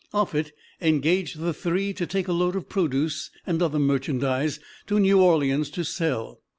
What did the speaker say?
Offutt engaged the three to take a load of produce and other merchandise to New Orleans to sell.